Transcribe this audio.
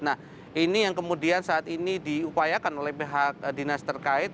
nah ini yang kemudian saat ini diupayakan oleh pihak dinas terkait